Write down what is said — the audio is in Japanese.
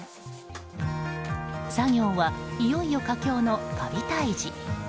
作業は、いよいよ佳境のカビ退治。